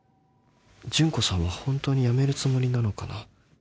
純子さんはホントに辞めるつもりなのかな